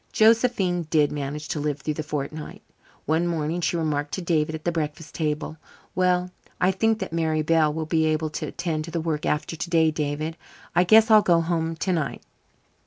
Josephine did manage to live through that fortnight. One morning she remarked to David at the breakfast table: "Well, I think that Mary Bell will be able to attend to the work after today, David. I guess I'll go home tonight."